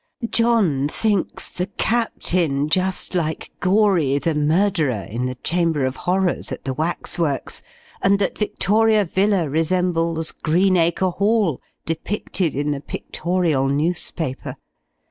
John thinks the Captain just like Gory, the murderer, in the Chamber of Horrors, at the wax works; and that Victoria Villa resembles "Greenacre Hall," depicted in the pictorial newspaper.